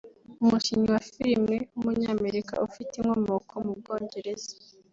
umukinnyi wa filime w’umunyamerika ufite inkomoko mu Bwongereza